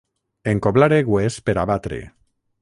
Encoblar egües per a batre.